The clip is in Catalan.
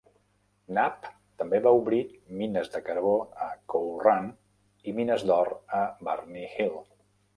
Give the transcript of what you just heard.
Knapp també va obrir mines de carbó a Coal Run i mines d'or a "Barney Hill".